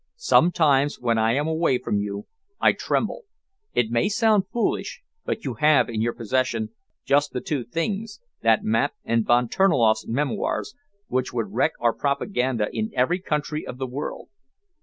Sometimes, when I am away from you, I tremble. It may sound foolish, but you have in your possession just the two things that map and Von Terniloff's memoirs which would wreck our propaganda in every country of the world."